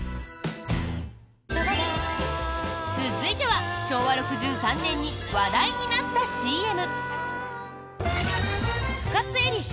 続いては昭和６３年に話題になったＣＭ！